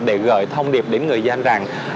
để gửi thông điệp đến người dân rằng